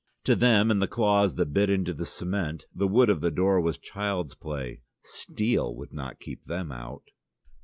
To them and the claws that bit into the cement the wood of the door was child's play: steel would not keep them out.